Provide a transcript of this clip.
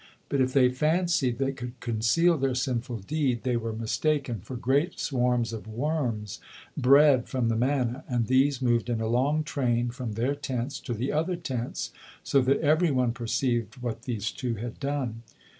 But if they fancied they could conceal their sinful deed, they were mistaken, for great swarms of worms bred from the manna, and these moved in a long train from their tents to the other tents, so that everyone perceived what these two had done.